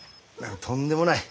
とんでもない。